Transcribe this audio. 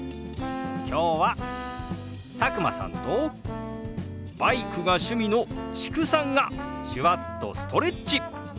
今日は佐久間さんとバイクが趣味の知久さんが手話っとストレッチ！